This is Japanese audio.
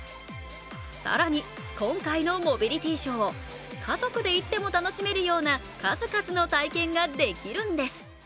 更に、今回のモビリティショー、家族で行っても楽しめるような数々の体験ができるんです。